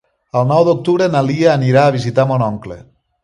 El nou d'octubre na Lia anirà a visitar mon oncle.